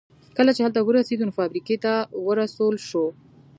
کله چې هلته ورسېد نو فابريکې ته ورسول شو.